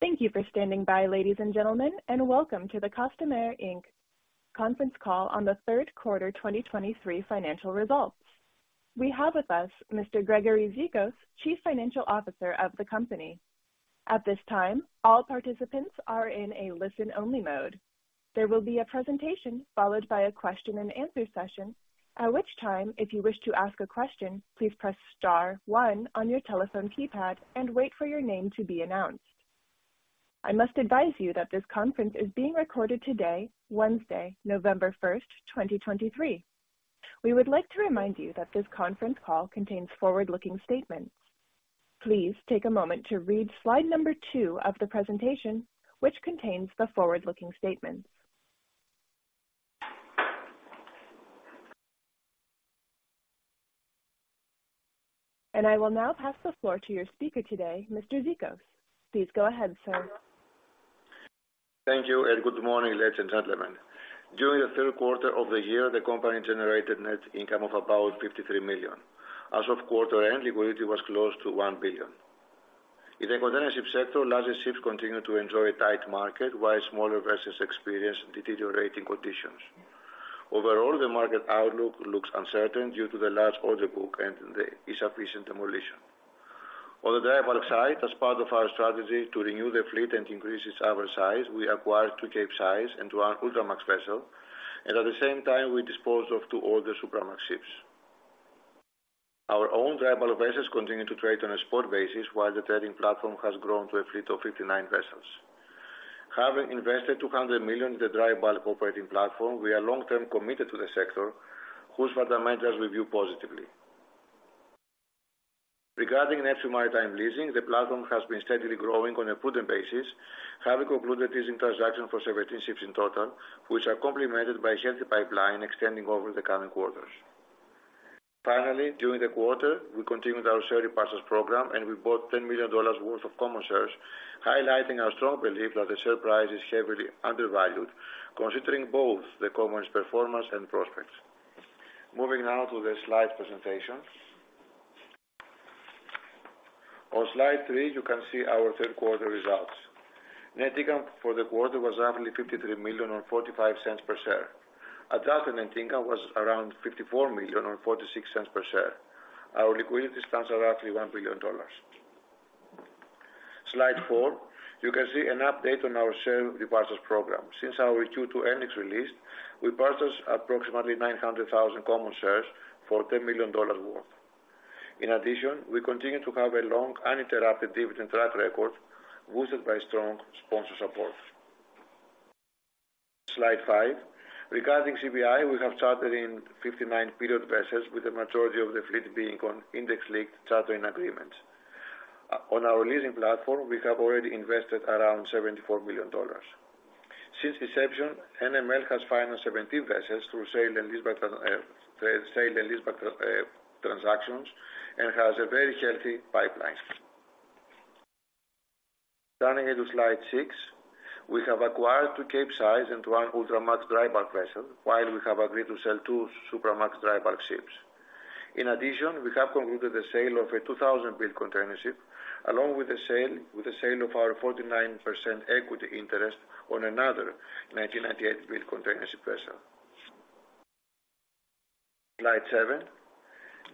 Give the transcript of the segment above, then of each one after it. Thank you for standing by, ladies and gentlemen, and welcome to the Costamare Inc. Conference Call on the Third Quarter 2023 Financial Results. We have with us Mr. Gregory Zikos, Chief Financial Officer of the company. At this time, all participants are in a listen-only mode. There will be a presentation followed by a question-and-answer session, at which time, if you wish to ask a question, please press star one on your telephone keypad and wait for your name to be announced. I must advise you that this conference is being recorded today, Wednesday, November 1, 2023. We would like to remind you that this conference call contains forward-looking statements. Please take a moment to read slide number 2 of the presentation, which contains the forward-looking statements. I will now pass the floor to your speaker today, Mr. Zikos. Please go ahead, sir. Thank you, and good morning, ladies and gentlemen. During the third quarter of the year, the company generated net income of about $53 million. As of quarter end, liquidity was close to $1 billion. In the container ship sector, larger ships continue to enjoy a tight market, while smaller vessels experience deteriorating conditions. Overall, the market outlook looks uncertain due to the large order book and the insufficient demolition. On the dry bulk side, as part of our strategy to renew the fleet and increase its average size, we acquired two Capesize and one Ultramax vessel, and at the same time, we disposed of two older Supramax ships. Our own dry bulk vessels continue to trade on a spot basis, while the trading platform has grown to a fleet of 59 vessels. Having invested $200 million in the dry bulk operating platform, we are long-term committed to the sector, whose fundamentals we view positively. Regarding Neptune Maritime Leasing, the platform has been steadily growing on a prudent basis, having concluded leasing transactions for 17 ships in total, which are complemented by a healthy pipeline extending over the coming quarters. Finally, during the quarter, we continued our share repurchase program, and we bought $10 million worth of common shares, highlighting our strong belief that the share price is heavily undervalued, considering both the company's performance and prospects. Moving now to the slide presentation. On slide 3, you can see our third quarter results. Net income for the quarter was roughly $53 million, or $0.45 per share. Adjusted net income was around $54 million, or $0.46 per share. Our liquidity stands at roughly $1 billion. Slide 4, you can see an update on our share repurchase program. Since our Q2 earnings release, we purchased approximately 900,000 common shares for $10 million worth. In addition, we continue to have a long, uninterrupted dividend track record, boosted by strong sponsor support. Slide 5. Regarding CBI, we have chartered in 59 period vessels, with the majority of the fleet being on index-linked chartering agreements. On our leasing platform, we have already invested around $74 million. Since inception, NML has financed 17 vessels through sale and leaseback transactions and has a very healthy pipeline. Turning to slide 6, we have acquired two Capesize and one Ultramax dry bulk vessel, while we have agreed to sell 2 Supramax dry bulk ships. In addition, we have concluded the sale of a 2000 build containership, along with the sale of our 49% equity interest on another 1998 build containership vessel. Slide seven.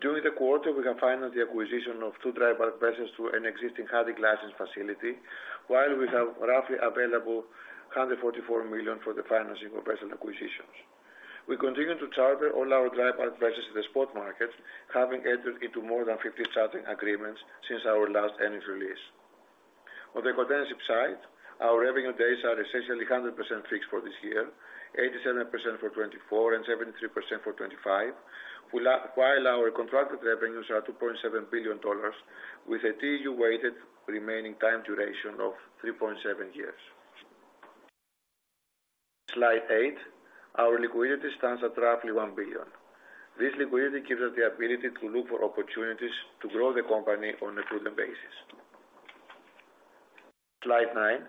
During the quarter, we have financed the acquisition of two dry bulk vessels through an existing hunting license facility, while we have roughly available $144 million for the financing of vessel acquisitions. We continue to charter all our dry bulk vessels in the spot market, having entered into more than 50 chartering agreements since our last earnings release. On the containership side, our revenue days are essentially 100% fixed for this year, 87% for 2024 and 73% for 2025, while our contracted revenues are $2.7 billion, with a TEU weighted remaining time duration of 3.7 years. Slide eight. Our liquidity stands at roughly $1 billion. This liquidity gives us the ability to look for opportunities to grow the company on a prudent basis. Slide 9.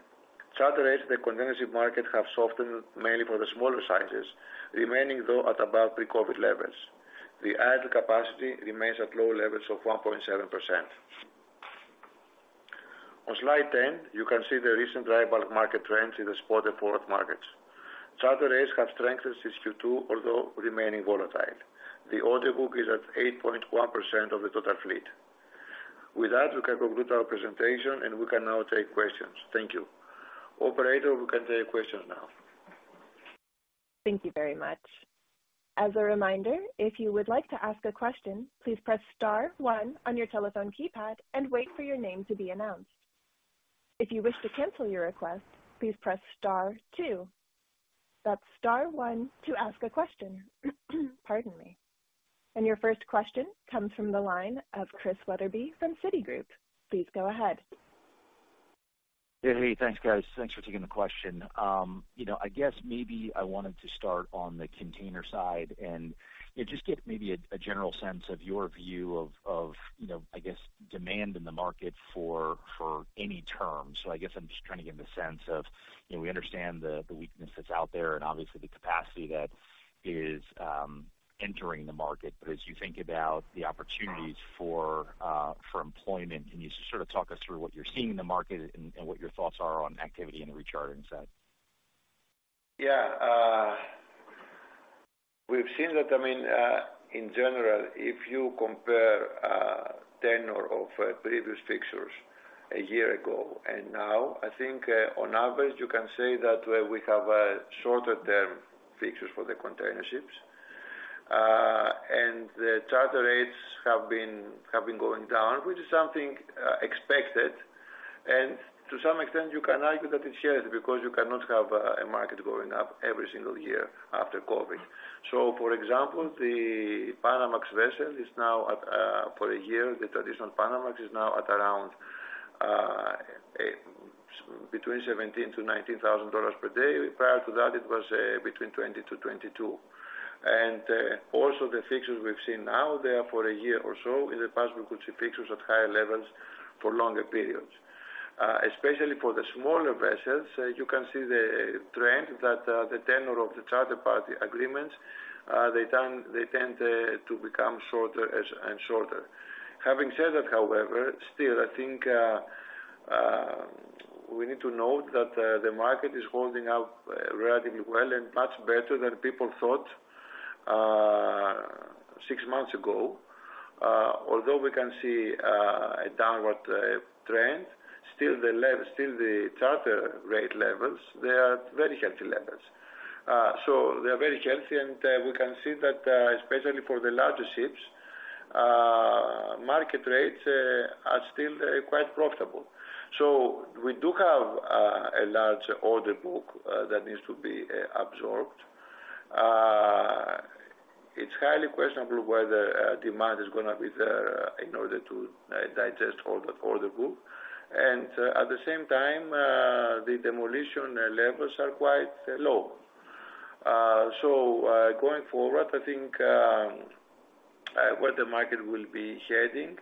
Charter rates in the container ship market have softened, mainly for the smaller sizes, remaining, though, at above pre-COVID levels. The idle capacity remains at low levels of 1.7%. On slide 10, you can see the recent dry bulk market trends in the spot and forward markets. Charter rates have strengthened since Q2, although remaining volatile. The order book is at 8.1% of the total fleet. With that, we can conclude our presentation, and we can now take questions. Thank you. Operator, we can take questions now. Thank you very much. As a reminder, if you would like to ask a question, please press star one on your telephone keypad and wait for your name to be announced. If you wish to cancel your request, please press star two. That's star one to ask a question. Pardon me. And your first question comes from the line of Chris Wetherbee from Citigroup. Please go ahead. Hey, thanks, guys. Thanks for taking the question. You know, I guess maybe I wanted to start on the container side and, yeah, just get maybe a general sense of your view of, you know, I guess demand in the market for any term. So I guess I'm just trying to get the sense of, you know, we understand the weakness that's out there and obviously the capacity that is entering the market. But as you think about the opportunities for employment, can you just sort of talk us through what you're seeing in the market and what your thoughts are on activity in the rechartering side? Yeah, we've seen that, I mean, in general, if you compare tenure of previous fixtures a year ago and now, I think, on average, you can say that we have shorter-term fixtures for the container ships. And the charter rates have been, have been going down, which is something expected, and to some extent you can argue that it's shared because you cannot have a market going up every single year after COVID. So for example, the Panamax vessel is now at, for a year, the traditional Panamax is now at around between $17,000-$19,000 per day. Prior to that, it was between $20,000-$22,000. And also the fixtures we've seen now, they are for a year or so. In the past, we could see fixtures at higher levels for longer periods. Especially for the smaller vessels, you can see the trend that the tenure of the charter party agreements they tend to become shorter and shorter. Having said that, however, still, I think, we need to note that the market is holding up relatively well and much better than people thought six months ago. Although we can see a downward trend, still the charter rate levels, they are very healthy levels. So they are very healthy, and we can see that especially for the larger ships market rates are still quite profitable. So we do have a large order book that needs to be absorbed. It's highly questionable whether demand is going to be there in order to digest all the order book. And at the same time, the demolition levels are quite low. So, going forward, I think, where the market will be heading,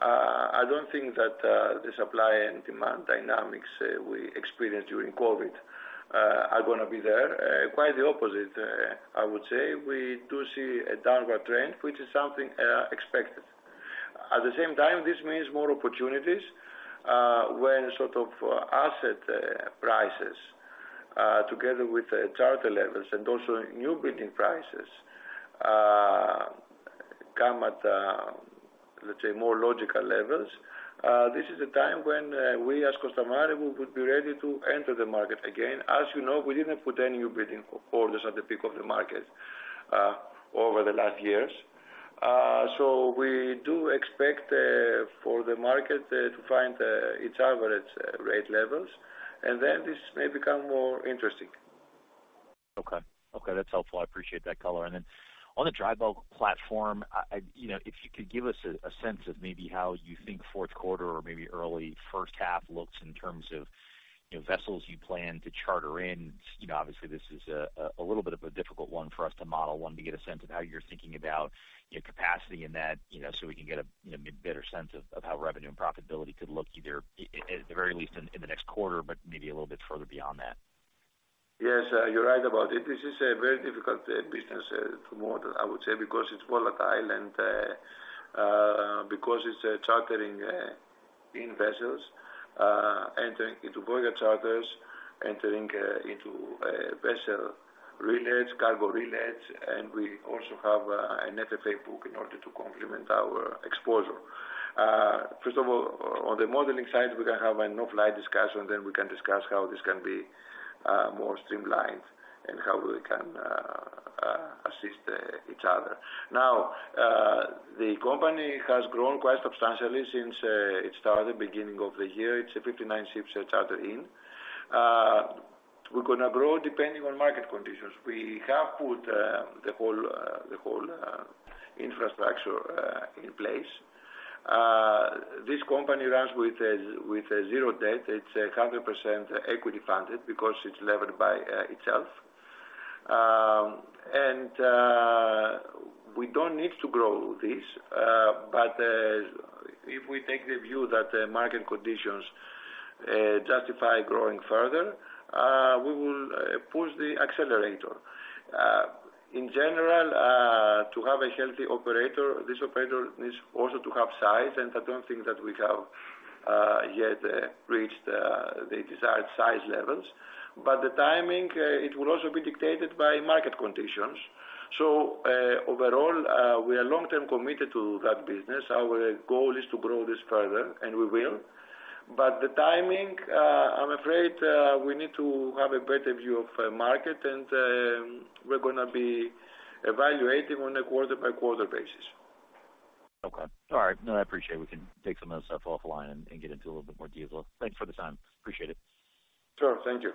I don't think that the supply and demand dynamics we experienced during COVID are gonna be there. Quite the opposite, I would say. We do see a downward trend, which is something expected. At the same time, this means more opportunities, when sort of asset prices together with the charter levels and also new building prices come at, let's say, more logical levels. This is the time when, we as Costamare, we would be ready to enter the market again. As you know, we didn't put any new building orders at the peak of the market, over the last years. So we do expect, for the market, to find, its average rate levels, and then this may become more interesting. Okay. Okay, that's helpful. I appreciate that color. And then on the dry bulk platform, I, you know, if you could give us a sense of maybe how you think fourth quarter or maybe early first half looks in terms of, you know, vessels you plan to charter in. You know, obviously, this is a little bit of a difficult one for us to model, to get a sense of how you're thinking about your capacity in that, you know, so we can get a, you know, better sense of how revenue and profitability could look, either at the very least in the next quarter, but maybe a little bit further beyond that. Yes, you're right about it. This is a very difficult business to model, I would say, because it's volatile and because it's a chartering in vessels, entering into COAs, entering into vessel charters, cargo charters, and we also have an FFA book in order to complement our exposure. First of all, on the modeling side, we can have an offline discussion, then we can discuss how this can be more streamlined and how we can assist each other. Now, the company has grown quite substantially since it started beginning of the year. It's 59 ships charter in. We're going to grow depending on market conditions. We have put the whole infrastructure in place. This company runs with a zero debt. It's 100% equity funded because it's levered by itself. And we don't need to grow this, but if we take the view that the market conditions justify growing further, we will push the accelerator. In general, to have a healthy operator, this operator needs also to have size, and I don't think that we have yet reached the desired size levels, but the timing, it will also be dictated by market conditions. So overall, we are long-term committed to that business. Our goal is to grow this further, and we will. But the timing, I'm afraid, we need to have a better view of the market, and we're gonna be evaluating on a quarter by quarter basis. Okay. All right. No, I appreciate we can take some of this stuff offline and get into a little bit more detail. Thanks for the time. Appreciate it. Sure. Thank you.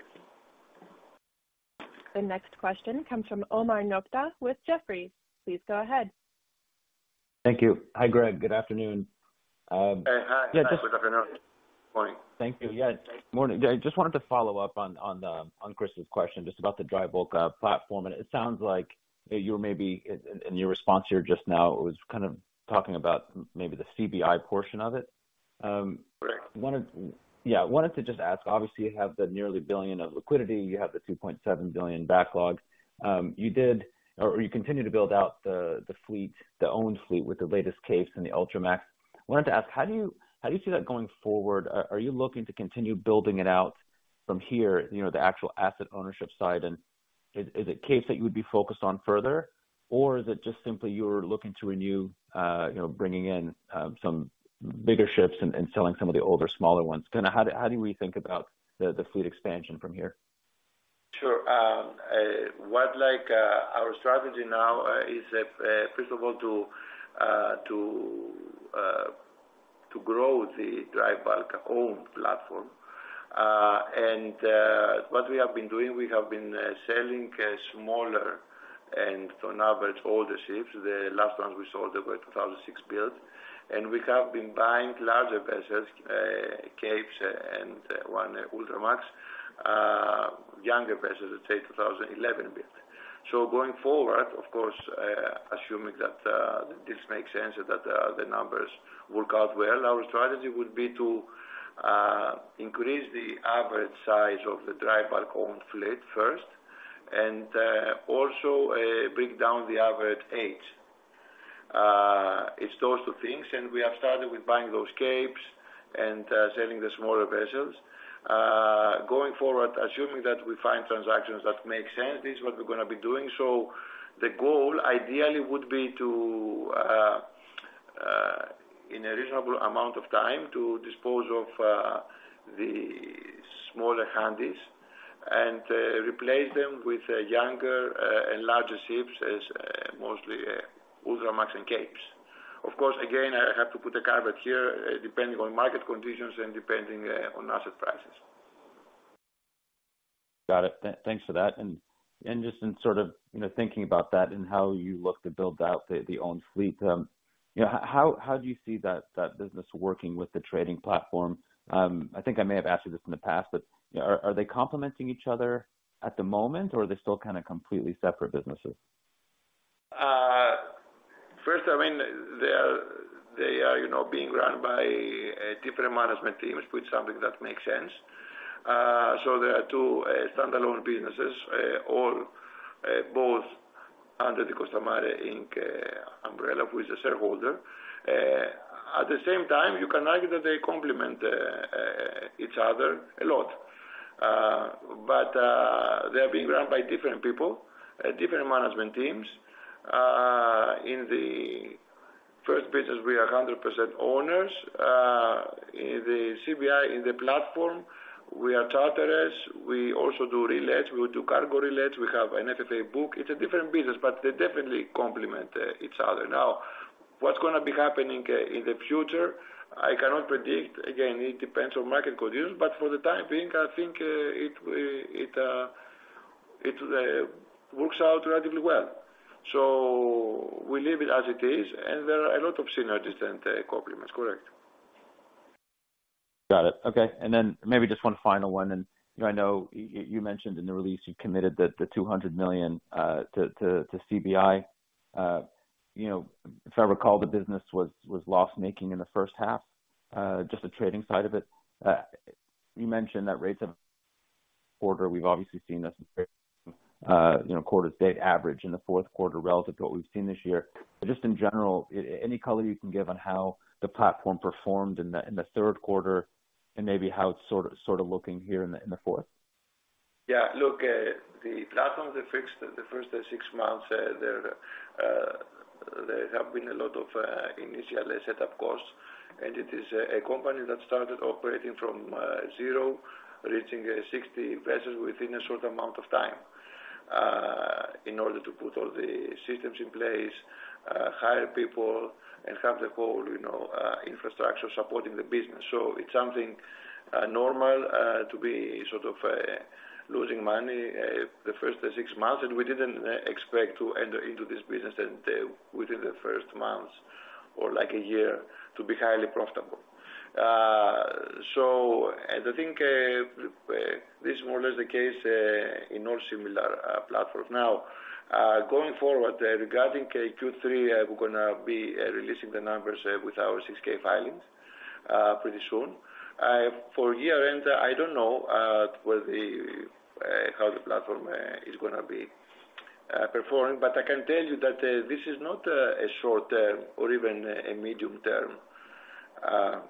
The next question comes from Omar Nokta with Jefferies. Please go ahead. Thank you. Hi, Greg. Good afternoon. Hi, good afternoon. Morning. Thank you. Yeah, morning. I just wanted to follow up on Chris's question, just about the dry bulk platform. And it sounds like you may be in your response here just now, it was kind of talking about maybe the CBI portion of it. Correct. Wanted, yeah, wanted to just ask, obviously, you have the nearly $1 billion of liquidity, you have the $2.7 billion backlog. You did or you continue to build out the fleet, the own fleet, with the latest case in the Ultramax? I wanted to ask, how do you see that going forward? Are you looking to continue building it out from here, you know, the actual asset ownership side? And is it case that you would be focused on further, or is it just simply you're looking to renew, you know, bringing in some bigger ships and selling some of the older, smaller ones? Kinda how do we think about the fleet expansion from here? Sure. Like, our strategy now is, first of all, to grow the dry bulk own platform. What we have been doing, we have been selling smaller and on average, older ships. The last one we sold they were 2006 built. We have been buying larger vessels, Capes and one Ultramax, younger vessels, let's say 2011 built. So going forward, of course, assuming that this makes sense and that the numbers work out well, our strategy would be to increase the average size of the dry bulk owned fleet first, and also bring down the average age. It's those two things, and we have started with buying those Capes and selling the smaller vessels. Going forward, assuming that we find transactions that make sense, this is what we're gonna be doing. So the goal, ideally, would be to, in a reasonable amount of time, to dispose off the smaller Handies and replace them with younger and larger ships as, mostly, Ultramax and Capes. Of course, again, I have to put a caveat here, depending on market conditions and depending on asset prices. Got it. Thanks for that. And just in sort of, you know, thinking about that and how you look to build out the own fleet, you know, how do you see that business working with the trading platform? I think I may have asked you this in the past, but, you know, are they complementing each other at the moment, or are they still kinda completely separate businesses? First, I mean, they are, they are, you know, being run by different management teams, which something that makes sense. So there are two standalone businesses, all, both under the Costamare Inc. umbrella, who is a shareholder. At the same time, you can argue that they complement each other a lot. But they are being run by different people, different management teams. In the first business, we are 100% owners. In the CBI, in the platform, we are charterers, we also do FFAs. We do COAs, we have an FFA book. It's a different business, but they definitely complement each other. Now, what's gonna be happening in the future, I cannot predict. Again, it depends on market conditions, but for the time being, I think it works out relatively well. So we leave it as it is, and there are a lot of synergies and compliments. Correct. Got it. Okay. And then maybe just one final one, and I know you mentioned in the release you committed the $200 million to CBI. You know, if I recall, the business was loss-making in the first half, just the trading side of it. You mentioned that rates of order, we've obviously seen this, you know, quarter to date average in the fourth quarter relative to what we've seen this year. But just in general, any color you can give on how the platform performed in the third quarter and maybe how it's sort of looking here in the fourth? Yeah. Look, the platform, the fixed, the first 6 months, there have been a lot of initial set up costs, and it is a company that started operating from zero, reaching 60 vessels within a short amount of time, in order to put all the systems in place, hire people, and have the whole, you know, infrastructure supporting the business. So it's something normal to be sort of losing money the first 6 months, and we didn't expect to enter into this business and, within the first months or like a year, to be highly profitable. So and I think this is more or less the case in all similar platforms. Now, going forward, regarding Q3, we're gonna be releasing the numbers with our 6-K filings pretty soon. For year end, I don't know how the platform is gonna be performing, but I can tell you that this is not a short-term or even a medium-term deal here.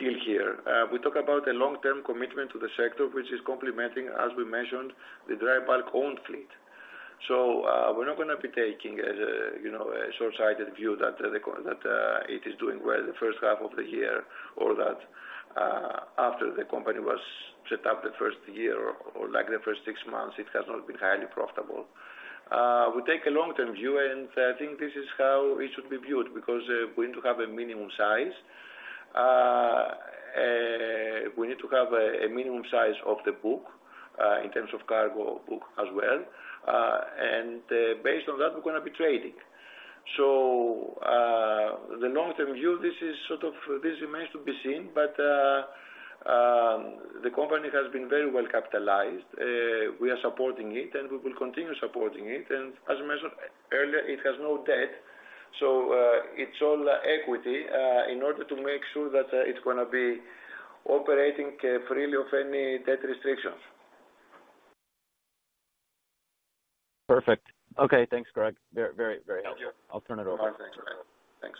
We talk about a long-term commitment to the sector, which is complementing, as we mentioned, the dry bulk owned fleet. So, we're not gonna be taking, as you know, a short-sighted view that that it is doing well in the first half of the year, or that after the company was set up the first year or, or like the first six months, it has not been highly profitable. We take a long-term view, and I think this is how it should be viewed, because we need to have a minimum size. We need to have a minimum size of the book, in terms of cargo book as well. And based on that, we're gonna be trading. So, the long-term view, this remains to be seen, but the company has been very well capitalized. We are supporting it, and we will continue supporting it. And as I mentioned earlier, it has no debt, so it's all equity, in order to make sure that it's gonna be operating freely of any debt restrictions. Perfect. Okay, thanks, Greg. Very, very, very helpful. I'll turn it over. All right, thanks, Ryan. Thanks.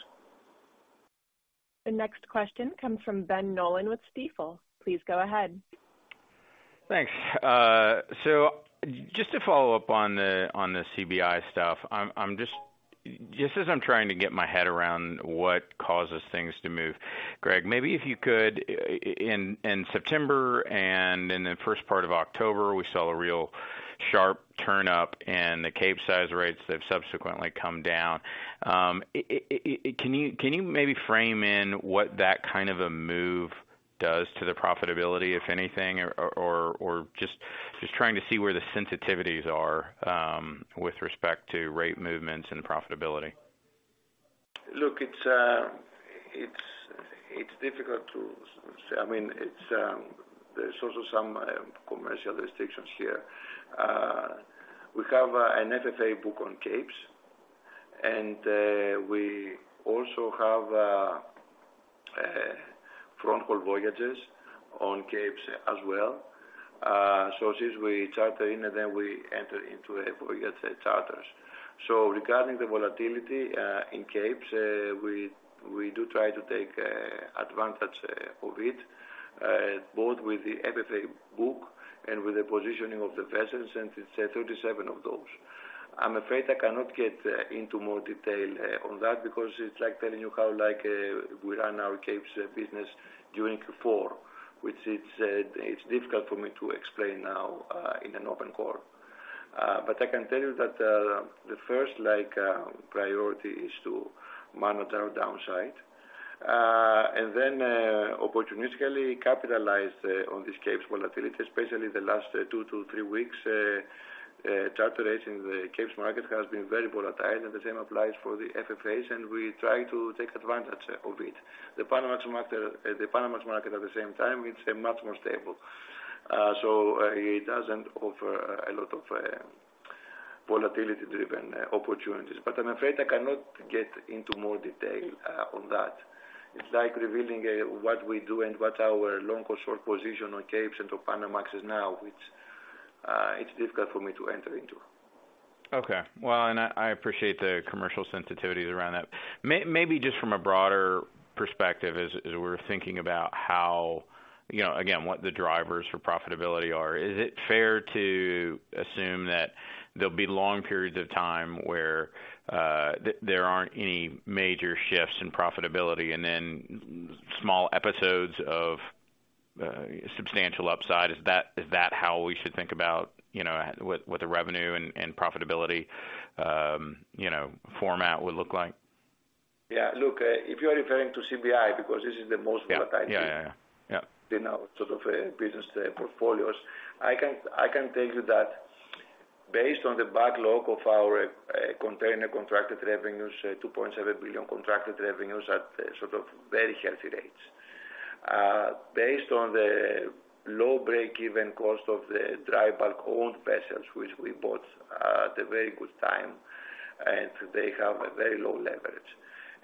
The next question comes from Ben Nolan with Stifel. Please go ahead. Thanks. So just to follow up on the CBI stuff, I'm just as I'm trying to get my head around what causes things to move, Greg, maybe if you could in September and in the first part of October, we saw a real sharp turn up in the Capesize rates that have subsequently come down. Can you maybe frame in what that kind of a move does to the profitability, if anything, or just trying to see where the sensitivities are with respect to rate movements and profitability? Look, it's difficult to say. I mean, it's, there's also some commercial restrictions here. We have an FFA book on Capes, and we also have forward voyages on Capes as well. So since we charter in, then we enter into a voyage charters. So regarding the volatility in Capes, we do try to take advantage of it both with the FFA book and with the positioning of the vessels, and it's 37 of those. I'm afraid I cannot get into more detail on that because it's like telling you how, like, we run our Capes business during Q4, which it's difficult for me to explain now in an open call. But I can tell you that the first, like, priority is to monitor our downside and then opportunistically capitalize on this Capes volatility, especially the last 2-3 weeks. Charter rates in the Capes market has been very volatile, and the same applies for the FFAs, and we try to take advantage of it. The Panamax market, at the same time, it's much more stable. So it doesn't offer a lot of volatility-driven opportunities, but I'm afraid I cannot get into more detail on that. It's like revealing what we do and what our long or short position on Capes and to Panamax is now. It's difficult for me to enter into. Okay. Well, I appreciate the commercial sensitivities around that. Maybe just from a broader perspective, as we're thinking about how, you know, again, what the drivers for profitability are, is it fair to assume that there'll be long periods of time where there aren't any major shifts in profitability and then small episodes of substantial upside? Is that how we should think about, you know, what the revenue and profitability format would look like? Yeah. Look, if you are referring to CBI, because this is the most volatile- Yeah. Yeah. Yeah, yeah. You know, sort of business portfolios. I can, I can tell you that based on the backlog of our, container contracted revenues, $2.7 billion contracted revenues at sort of very healthy rates. Based on the low break-even cost of the dry bulk owned vessels, which we bought at a very good time, and they have a very low leverage.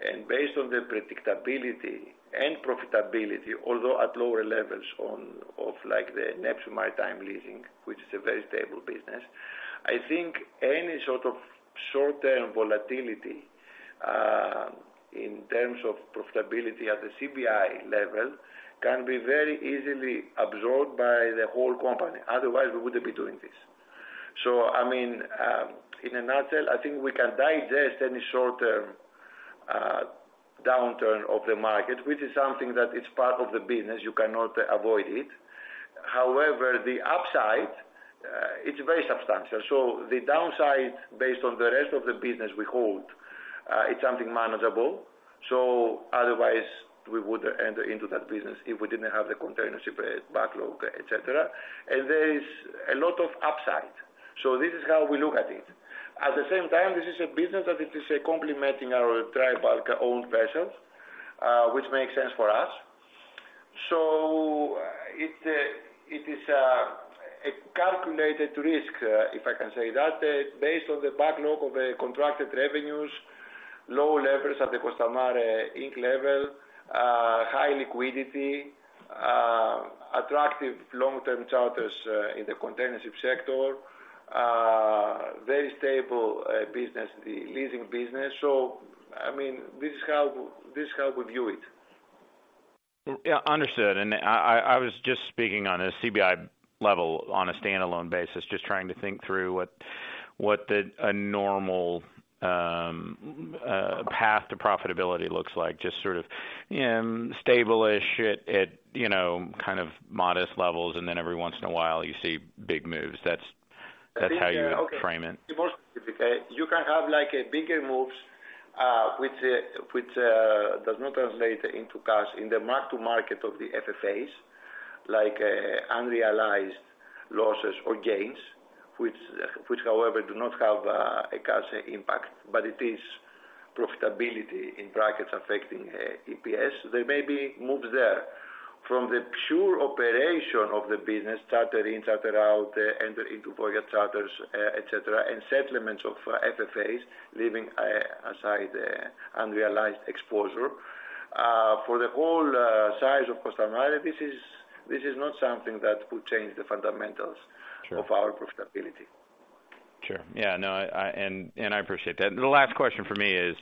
And based on the predictability and profitability, although at lower levels on, of like the Neptune Maritime Leasing, which is a very stable business, I think any sort of short-term volatility, in terms of profitability at the CBI level, can be very easily absorbed by the whole company. Otherwise, we wouldn't be doing this. So I mean, in a nutshell, I think we can digest any short-term, downturn of the market, which is something that it's part of the business, you cannot avoid it. However, the upside, it's very substantial. So the downside, based on the rest of the business we hold, it's something manageable. So otherwise, we would enter into that business if we didn't have the container ship, backlog, et cetera. And there is a lot of upside. So this is how we look at it. At the same time, this is a business that it is complementing our dry bulk owned vessels, which makes sense for us. So it, it is, a calculated risk, if I can say that, based on the backlog of the contracted revenues, low levels at the Costamare Inc. level, high liquidity, attractive long-term charters in the container ship sector, very stable business, the leasing business. So, I mean, this is how, this is how we view it. Yeah, understood. And I was just speaking on a CBI level, on a standalone basis, just trying to think through what a normal path to profitability looks like, just sort of stable-ish at you know kind of modest levels, and then every once in a while, you see big moves. That's how you would frame it? You can have like bigger moves, which does not translate into cash in the mark to market of the FFAs, like, unrealized losses or gains, which however do not have a cash impact, but it is profitability in brackets affecting EPS. There may be moves there. From the pure operation of the business, charter in, charter out, enter into voyage charters, et cetera, and settlements of FFAs, leaving aside unrealized exposure for the whole size of Costamare Bulkers, this is not something that would change the fundamentals. Sure. Of our profitability. Sure. Yeah, no, I appreciate that. The last question for me is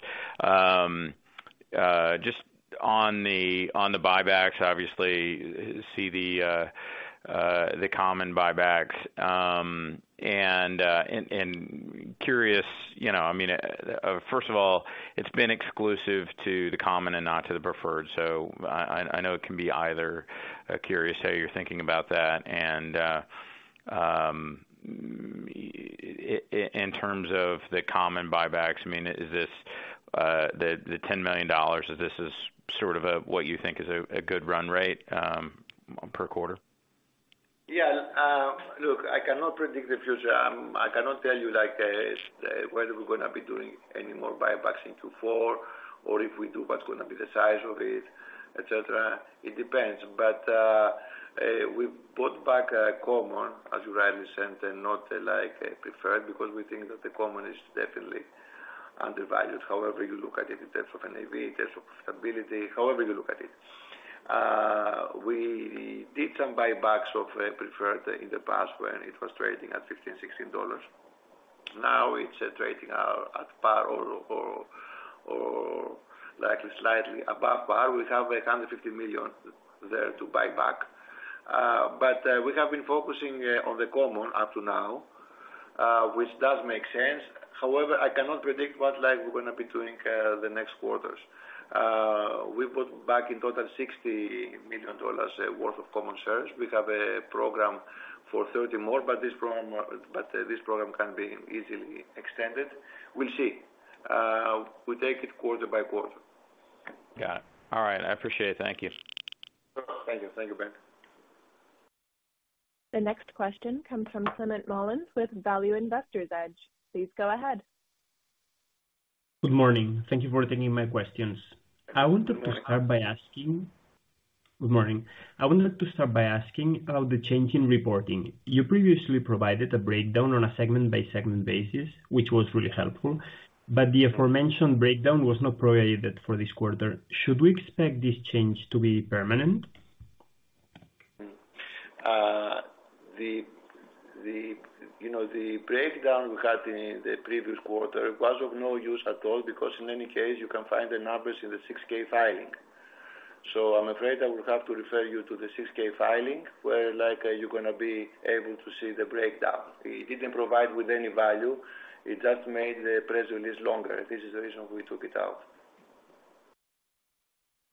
just on the buybacks, obviously see the common buybacks, and curious, you know, I mean, first of all, it's been exclusive to the common and not to the preferred, so I know it can be either. Curious how you're thinking about that. And in terms of the common buybacks, I mean, is this the $10 million sort of what you think is a good run rate per quarter? Yeah. Look, I cannot predict the future. I cannot tell you, like, whether we're gonna be doing any more buybacks in Q4, or if we do, what's gonna be the size of it, et cetera. It depends. But we bought back common, as you rightly said, and not like preferred, because we think that the common is definitely undervalued. However you look at it in terms of NAV, in terms of stability, however you look at it. We did some buybacks of preferred in the past when it was trading at $15-$16. Now it's trading at par or likely slightly above par. We have $150 million there to buy back, but we have been focusing on the common up to now, which does make sense. However, I cannot predict what like we're gonna be doing, the next quarters. We put back in total $60 million worth of common shares. We have a program for 30 more, but this program, but this program can be easily extended. We'll see. We take it quarter by quarter. Got it. All right, I appreciate it. Thank you. Thank you. Thank you, Ben. The next question comes from Climent Molins with Value Investor's Edge. Please go ahead. Good morning. Thank you for taking my questions. I wanted to start by asking about the change in reporting. You previously provided a breakdown on a segment-by-segment basis, which was really helpful, but the aforementioned breakdown was not provided for this quarter. Should we expect this change to be permanent? You know, the breakdown we had in the previous quarter was of no use at all, because in any case, you can find the numbers in the 6-K filing. So I'm afraid I will have to refer you to the 6-K filing, where, like, you're gonna be able to see the breakdown. It didn't provide with any value, it just made the press release longer. This is the reason we took it out.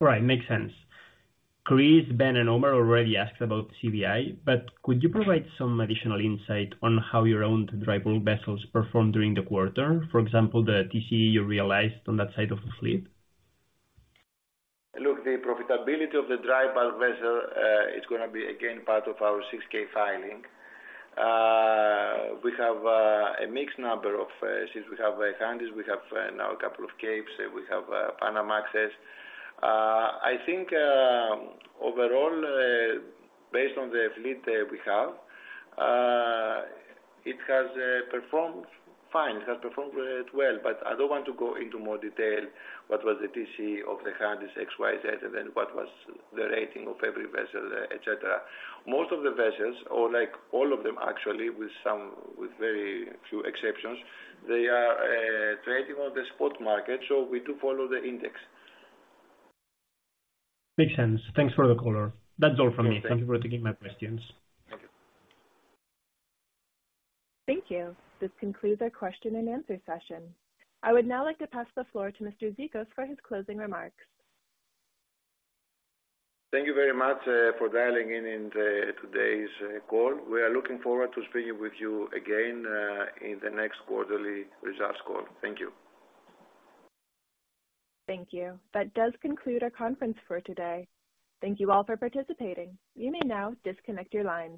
Right. Makes sense. Chris, Ben, and Omar already asked about CBI, but could you provide some additional insight on how your own dry bulk vessels performed during the quarter? For example, the TCE you realized on that side of the fleet. Look, the profitability of the dry bulk vessel is gonna be again part of our 6-K filing. We have a mixed number of since we have Handys, we have now a couple of Capes, we have Panamax. I think overall based on the fleet that we have it has performed fine, it has performed well. But I don't want to go into more detail what was the TCE of the Handys, XYZ, and then what was the rating of every vessel, et cetera. Most of the vessels, or like all of them actually, with very few exceptions, they are trading on the spot market, so we do follow the index. Makes sense. Thanks for the color. That's all from me. Thank you. Thank you for taking my questions. Thank you. Thank you. This concludes our question and answer session. I would now like to pass the floor to Mr. Zikos for his closing remarks. Thank you very much for dialing in today's call. We are looking forward to speaking with you again in the next quarterly results call. Thank you. Thank you. That does conclude our conference for today. Thank you all for participating. You may now disconnect your lines.